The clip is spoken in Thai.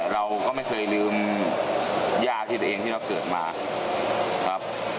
เราก็ไม่เคยลืมย่าที่ตัวเองที่เราเกิดมาครับ